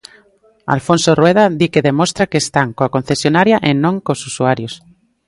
Alfonso Rueda di que demostra que están coa concesionaria e non cos usuarios.